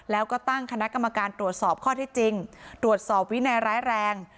แล้วก็ตั้งคณะกรรมการตรวจสอบข้อที่จริงตรวจสอบวินัยร้ายแรง